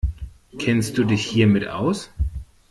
Kennst du dich hiermit aus?